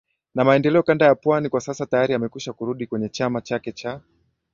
na maendeleo kanda ya Pwani Kwa sasa tayari amekwisha kurudi kwenye chama chake cha